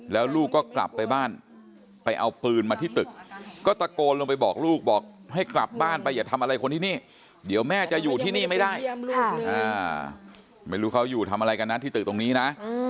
แล้วลูกก็กลับไปบ้านไปเอาปืนมาที่ตึกก็ตะโกนลงไปบอกลูกบอกให้กลับบ้านไปอย่าทำอะไรคนที่นี่เดี๋ยวแม่จะอยู่ที่นี่ไม่ได้ไม่รู้เขาอยู่ทำอะไรกันนะที่ตึกตรงนี้นะ